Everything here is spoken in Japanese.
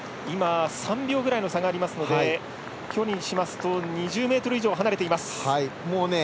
３秒ぐらいの差がありますので距離にしますと２０ｍ以上離れています。